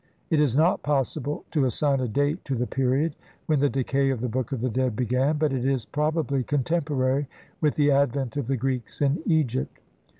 It is not possible to assign a date to the period when the decay of the Book of the Dead began, but it is probably contemporary with the advent of the Greeks in Egypt.